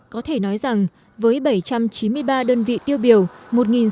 có thể nói rằng với bảy trăm chín mươi ba đơn vị tiêu biểu một sáu trăm tám mươi trang sách